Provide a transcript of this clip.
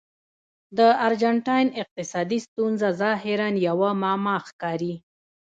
د ارجنټاین اقتصادي ستونزه ظاهراً یوه معما ښکاري.